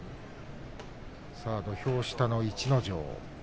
土俵下の逸ノ城。